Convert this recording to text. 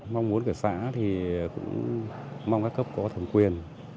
mong muốn cả xã thì cũng mong các cấp có thầm quyền